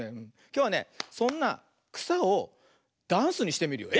きょうはねそんなくさをダンスにしてみるよ。